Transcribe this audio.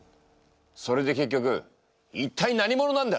それで結局一体何者なんだ！？